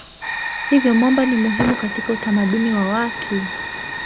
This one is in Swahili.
Hivyo mwamba ni muhimu katika utamaduni wa watu.